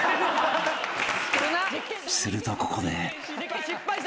［するとここで］